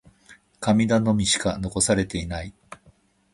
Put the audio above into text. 神頼みしか残されていない。